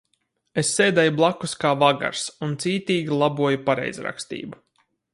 Es sēdēju blakus kā vagars un cītīgi laboju pareizrakstību.